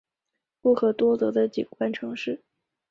不可多得的景观城市